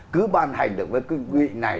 cứ ban hành được với quy định này